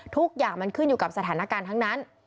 ทุกอย่างมันขึ้นอยู่กับสถานการณ์ทั้งนั้น